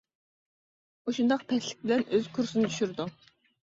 مۇشۇنداق پەسلىك بىلەن ئۆز كۇرسىنى چۈشۈرىدۇ.